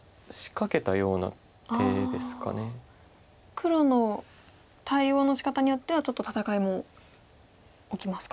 黒の対応のしかたによってはちょっと戦いも起きますか。